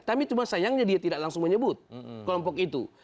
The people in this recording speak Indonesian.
tapi cuma sayangnya dia tidak langsung menyebut kelompok itu